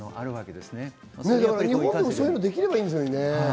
日本もそういうのできればいいですよね。